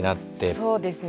そうですね